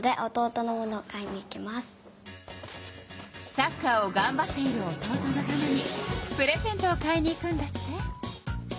サッカーをがんばっている弟のためにプレゼントを買いに行くんだって。